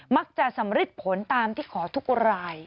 มักจะสำริดผลตามที่ขอทุกราย